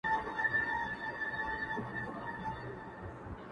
o چرگه چي اذان وکي د خاوند سر خوري٫